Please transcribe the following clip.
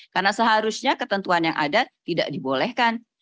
karena seharusnya ketentuan yang ada tidak dibolehkan